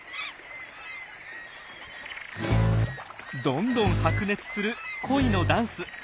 どんどん白熱する恋のダンス。